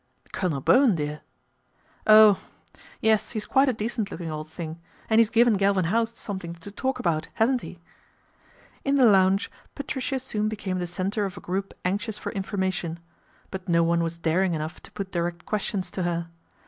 " Colonel Bowen, dear." " Oh ! Yes, he's quite a decent looking old thing, and he's given Galvin House something to talk about, hasn't he ?" In the lounge Patricia soon became the centre of a group anxious for information ; but no one was daring enough to put direct questions to her.